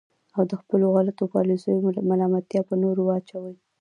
او د خپلو غلطو پالیسیو ملامتیا په نورو واچوي.